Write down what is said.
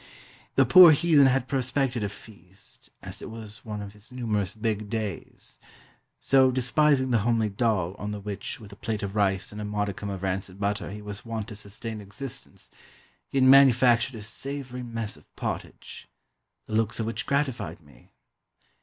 The poor heathen had prospected a feast, as it was one of his numerous "big days"; so, despising the homely dhal, on the which, with a plate of rice and a modicum of rancid butter, he was wont to sustain existence, he had manufactured a savoury mess of pottage, the looks of which gratified me.